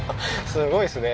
すごいですね